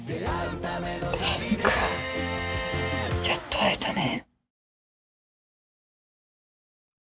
蓮くんやっと会えたね。